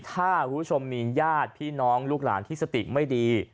ถ้าคุณผู้ชมมีญาติพี่น้องลูกหลานที่สติไม่ดี